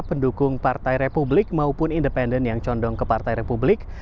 pendukung partai republik maupun independen yang condong ke partai republik